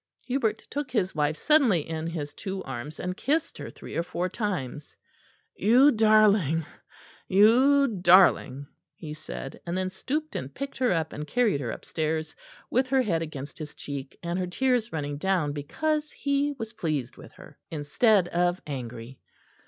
Hubert took his wife suddenly in his two arms and kissed her three or four times. "You darling, you darling!" he said; and then stooped and picked her up, and carried her upstairs, with her head against his cheek, and her tears running down because he was pleased with her, instead of angry.